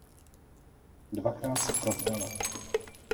Dvakrát se provdala.